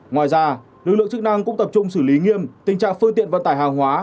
ngoài ra lực lượng chức năng cũng tập trung xử lý nghiêm tình trạng phương tiện vận tải hàng hóa